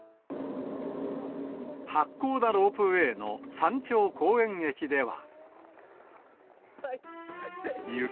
八甲田ロープウェーの山頂公園駅では。